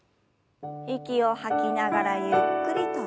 息を吐きながらゆっくりと前に。